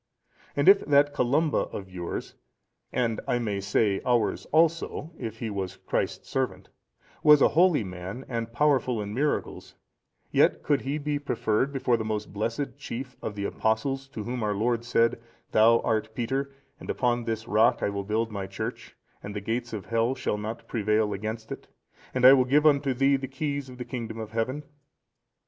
And if that Columba of yours, (and, I may say, ours also, if he was Christ's servant,) was a holy man and powerful in miracles, yet could he be preferred before the most blessed chief of the Apostles, to whom our Lord said, 'Thou art Peter, and upon this rock I will build my Church, and the gates of hell shall not prevail against it, and I will give unto thee the keys of the kingdom of Heaven?